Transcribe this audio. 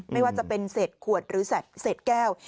ไม่ว่าจะเป็นเศษขวดหรือเศษแก้ว